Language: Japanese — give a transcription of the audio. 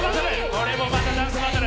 これもまたダンスバトル。